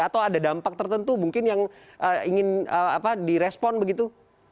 atau ada dampak tertentu mungkin yang ingin direspon begitu